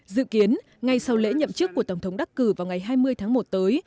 dự kiến ngay sau lễ nhậm chức của tổng thống đắc cử vào ngày hai mươi tháng một tới